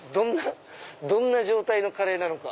どんな状態のカレーなのか。